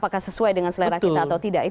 apakah sesuai dengan selera kita atau tidak